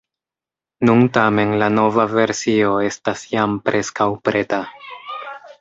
Nun tamen la nova versio estas jam preskaŭ preta.